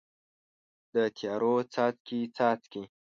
د تیارو څاڅکي، څاڅي